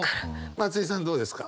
松居さんどうですか？